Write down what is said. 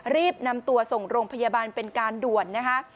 รีบนำตัวส่งโรงพยาบาลเป็นการด่วนนะคะ